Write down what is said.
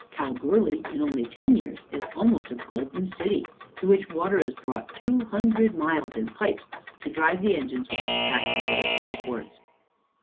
Kalgoorlie, in only ten years, is almost a golden city, to which water is brought two hundred miles in pipes, to drive the engines which extract the gold from the quartz."